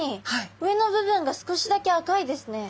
上の部分が少しだけ赤いですね。